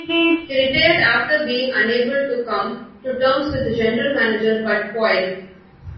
He retired after being unable to come to terms with General Manager Bud Poile.